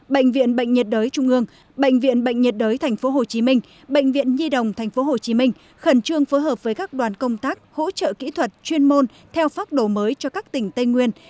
bệnh viện bệnh nhiệt đới tp hcm bệnh viện nhi đồng tp hcm khẩn trương phối hợp với các đoàn công tác hỗ trợ kỹ thuật chuyên môn theo phác đồ mới cho các tỉnh tây nguyên